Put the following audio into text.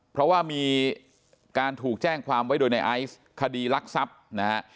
เพราะว่ามีการถูกแจ้งความไว้โดยในไอซ์คดีรักทรัพย์นะฮะ